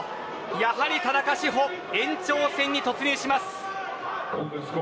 やはり田中志歩延長戦に突入します。